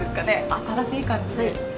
新しい感じで。